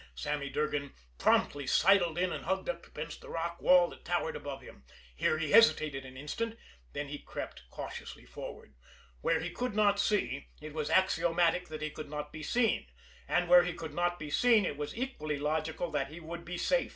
Sammy Durgan promptly sidled in and hugged up against the rock wall that towered above him. Here he hesitated an instant, then he crept cautiously forward. Where he could not see, it was axiomatic that he could not be seen; and where he could not be seen, it was equally logical that he would be safe.